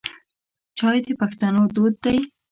چای د پښتنو دود دی.